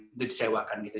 itu disewakan gitu